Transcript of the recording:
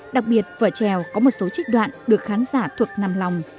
đặc biệt vở trèo có một số trích đoạn được khán giả thuộc nằm lòng